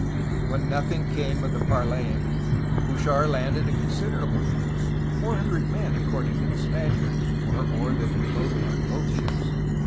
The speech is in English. ^^ When nothing came of the parleying, Bouchard landed a consider able force — four hundred men according to the Spaniards, or more than the total on both ships!